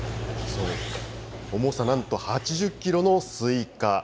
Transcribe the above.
そう、重さなんと８０キロのスイカ。